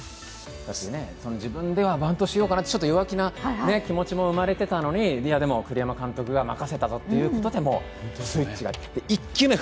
自分ではバントしようかなという弱気な気持ちも生まれていたのにでも、栗山監督が任せたぞということで、スイッチが。